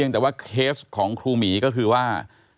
แต่ว่าเคสของครูหมีก็คือว่า